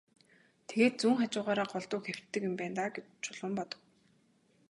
Тэгээд зүүн хажуугаараа голдуу хэвтдэг юм байна даа гэж Чулуун бодов.